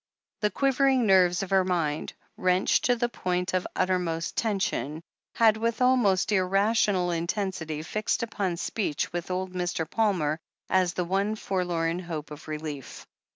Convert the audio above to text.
The quivering nerves of her mind, wrenched to the point of uttermost tension, had with almost irrational mtensity fixed upon speech with old Mr. Palmer as the one forlorn hope of relief.